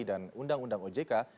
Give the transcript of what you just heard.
dan undang undang ojk